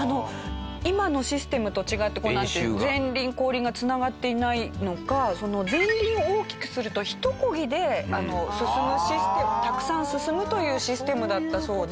今のシステムと違って前輪後輪がつながっていないのか前輪を大きくするとひとこぎで進むシステムたくさん進むというシステムだったそうで。